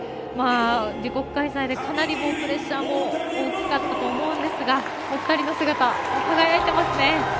自国開催でプレッシャーも大きかったと思うんですが２人の姿、輝いてますね。